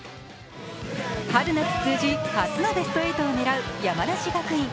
春夏通じ初のベスト８を狙う山梨学院。